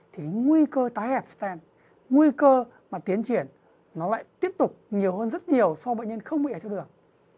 thì nguy cơ tái hẹp stem nguy cơ mà tiến triển nó lại tiếp tục nhiều hơn rất nhiều so với bệnh nhân không bị ở trước đường